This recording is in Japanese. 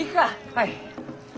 はい。